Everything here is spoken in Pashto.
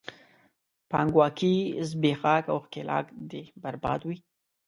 پانګواکي، زبېښاک او ښکېلاک دې برباد وي!